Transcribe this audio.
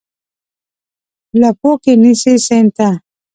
لپو کې نیسي سیند ته،